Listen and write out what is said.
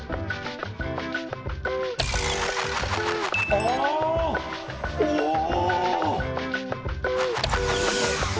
ああおお！